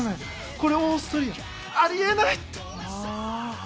これはオーストリアあり得ない！